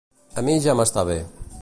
A mi ja m'està bé.